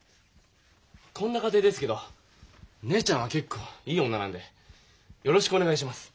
こんな家庭ですけど姉ちゃんは結構いい女なんでよろしくお願いします。